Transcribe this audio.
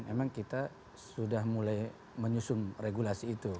memang kita sudah mulai menyusun regulasi itu